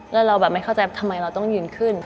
แล้วเราแบบไม่เข้าใจทำไมเราต้องยืนขึ้น